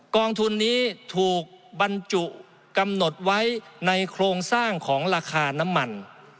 กองทุนนี้ถูกบรรจุกำหนดไว้ในโครงสร้างของราคาน้ำมัน